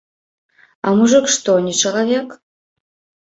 А мужык што, не чалавек?